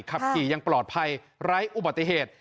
ขับขี่ยังปลอดภัยไร้อุบัติเหตุ